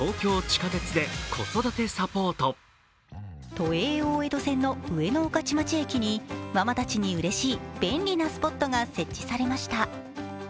都営大江戸線の上野御徒町駅にママたちにうれしい便利なスポットが設置されました。